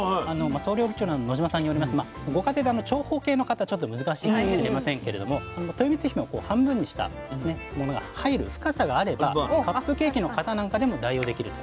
総料理長の野島さんによりますとご家庭で長方形の型ちょっと難しいかもしれませんけれどもとよみつひめを半分にしたものが入る深さがあればカップケーキの型なんかでも代用できるということなんです。